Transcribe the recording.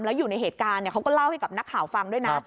แล้วอยู่ในเหตุการณ์เขาก็เล่าให้กับนักข่าวฟังด้วยนะ